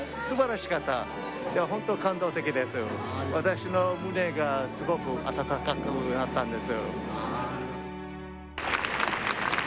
私の胸が凄く温かくなったんです。